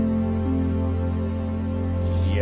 いや。